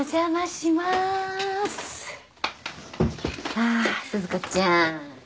あぁ鈴子ちゃん。